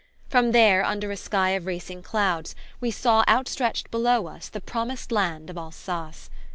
From there, under a sky of racing clouds, we saw outstretched below us the Promised Land of Alsace.